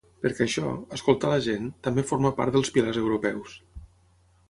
Perquè això, escoltar la gent, també forma part dels pilars europeus.